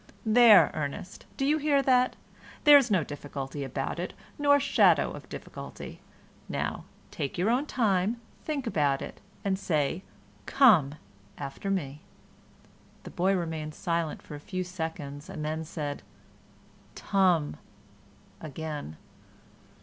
"There, Ernest, do you hear that? There's no difficulty about it, nor shadow of difficulty. Now, take your own time, think about it, and say 'come' after me." The boy remained silent a few seconds and then said "tum" again.